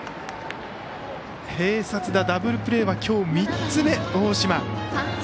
併殺打、ダブルプレーはきょう３つ目、大島。